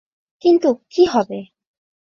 কিন্তু, কী হবে!